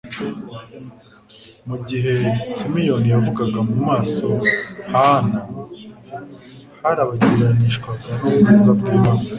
Mu gihe Simiyoni yavugaga mu maso ha Ana harabagiranishwaga n'ubwiza bw'Imana,